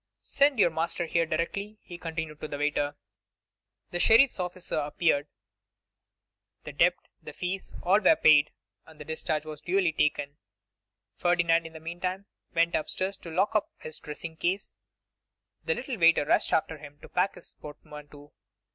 'Send your master here directly,' he continued to the waiter. The sheriff's officer appeared; the debt, the fees, all were paid, and the discharge duly taken. Ferdinand in the meantime went up stairs to lock up his dressing case; the little waiter rushed after him to pack his portmanteau.